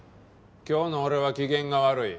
今日の俺は機嫌が悪い。